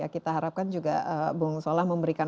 kita harapkan juga bung solah memberikan